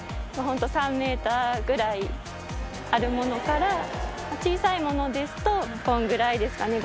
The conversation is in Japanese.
３メーターぐらいあるものから小さいものですとこのぐらいですかね。